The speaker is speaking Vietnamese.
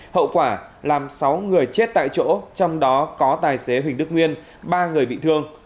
hậu quả làm sáu người chết tại chỗ trong đó có tài xế huỳnh đức nguyên ba người bị thương